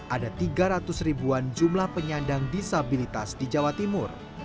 ada tiga ratus ribuan jumlah penyandang disabilitas di jawa timur